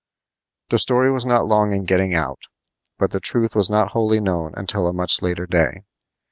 The story was not long in getting out, but the truth was not wholly known until a much later day.